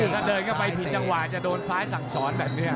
ถ้าเดินเข้าไปผิดจังหวะจะโดนซ้ายสั่งสอนแบบนี้